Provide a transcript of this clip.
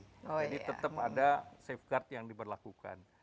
jadi tetap ada safeguard yang diberlakukan